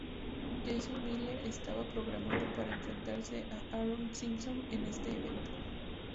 Jason Miller estaba programado para enfrentarse a Aaron Simpson en este evento.